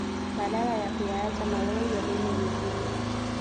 Badala ya kuyaacha malori yabebe mizigo